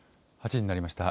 ８時になりました。